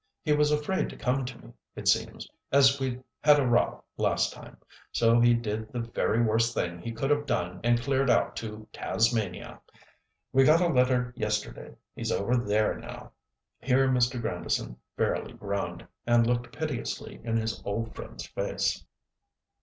He was afraid to come to me, it seems, as we'd had a row last time; so he did the very worst thing he could have done and cleared out to Tasmania. We got a letter yesterday. He's over there now." Here Mr. Grandison fairly groaned, and looked piteously in his old friend's face.